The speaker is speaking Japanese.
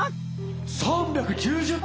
３９０点！